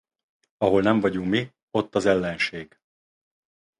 Ahol nem vagyunk mi, ott az ellenség.